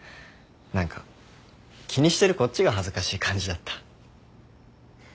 何か気にしてるこっちが恥ずかしい感じだった。